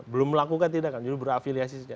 belum melakukan tidak kan jadi berafiliasi saja